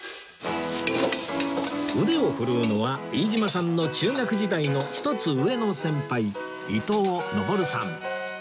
腕を振るうのは飯島さんの中学時代の１つ上の先輩伊藤昇さん